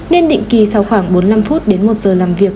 nên định kỳ sau khoảng bốn mươi năm phút đến một giờ làm việc